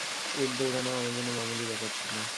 উট দৌড়ানোও আমার জন্য মামুলী ব্যাপার ছিল।